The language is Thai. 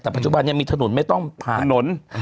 แต่ปัจจุบันยังมีถนนไม่ต้องผ่านถนน